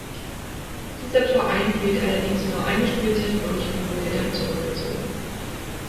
Dieser Verein hielt allerdings nur eine Spielzeit durch und wurde dann zurückgezogen.